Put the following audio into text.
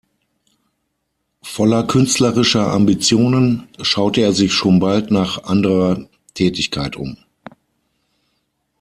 Voller künstlerischer Ambitionen schaute er sich schon bald nach anderer Tätigkeit um.